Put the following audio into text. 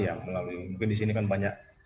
yang melalui mungkin disini kan banyak